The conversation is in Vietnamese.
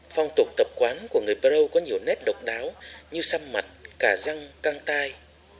phong tục tập quán của người brâu có nhiều nét độc đáo như xăm mặt cả răng căng tai